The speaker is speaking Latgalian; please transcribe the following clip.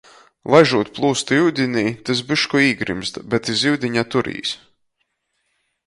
Laižūt plūstu iudinī, tys bišku īgrymst, bet iz iudiņa turīs.